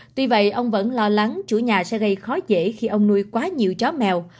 tuy vậy ông vẫn lo lắng chủ nhà sẽ gây khó dễ khi ông nuôi quá nhiều chó mèo